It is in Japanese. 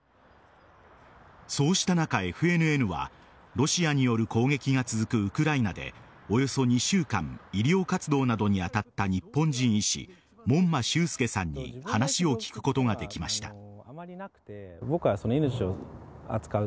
そうした中、ＦＮＮはロシアによる攻撃が続くウクライナでおよそ２週間医療活動などに当たった日本人医師門馬秀介さんに話を聞くことができました。